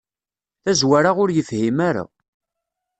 Tazwara ur yefhim ara.